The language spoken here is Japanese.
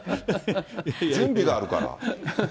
準備があるから。